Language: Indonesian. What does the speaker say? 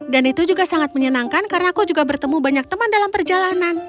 dan itu juga sangat menyenangkan karena aku juga bertemu banyak teman dalam perjalanan